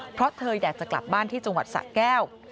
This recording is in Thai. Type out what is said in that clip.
เพราะเธออยากจะกลับบ้านที่จังหวัดสะแก้ว